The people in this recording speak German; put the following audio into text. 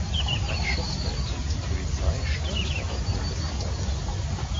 Ein Schuss fällt, die Polizei stürmt daraufhin das Gebäude.